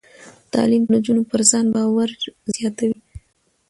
تعلیم د نجونو پر ځان باور زیاتوي.